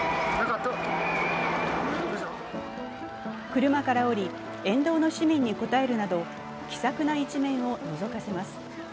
車から降り、沿道の市民に応えるなど気さくな一面を見せます。